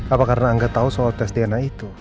apa karena angga tau soal tes dna itu